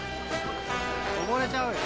溺れちゃうよ。